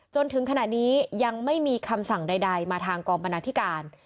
จนถึงขณะนี้ยังไม่มีคำสั่งใดมาทางกองบรรณาธิการ